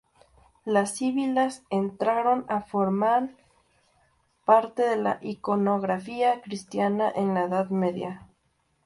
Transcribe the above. Las sibilas entraron a forman parte de la iconografía cristiana en la Edad Media.